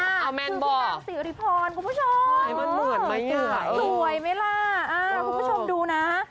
เอาแม่นบ่อคุณผู้ชมคุณผู้ชมสวยไหมล่ะคุณผู้ชมดูนะ